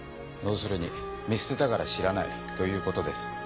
要するに見捨てたから知らないということです。